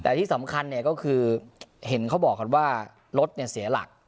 แต่ที่สำคัญก็คือเห็นเขาบอกกันว่ารถเสียหลัก